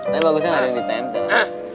tapi bagusnya gak ada yang ditentang